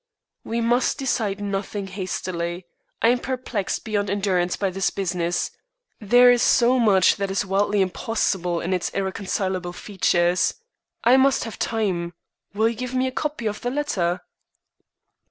"We must decide nothing hastily. I am perplexed beyond endurance by this business. There is so much that is wildly impossible in its irreconcilable features. I must have time. Will you give me a copy of the letter?"